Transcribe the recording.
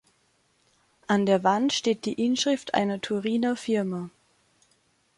An der Wand steht die Inschrift einer Turiner Firma.